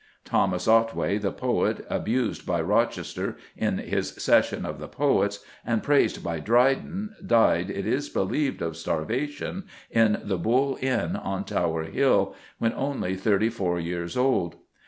Thomas Otway, the poet, abused by Rochester in his Session of the Poets, and praised by Dryden, died, it is believed of starvation, in the Bull Inn on Tower Hill, when only thirty four years old.